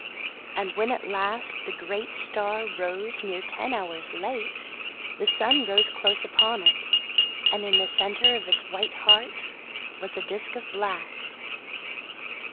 And when at last the great star rose near ten hours late, the sun rose close upon it, and in the centre of its white heart was a disc of black.